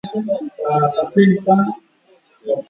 viazi lishe vinaandaliwa kwa kuoshwa kabla ya kuanikwa